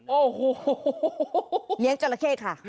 โอ้โหเลี้ยงจราเข้ค่ะ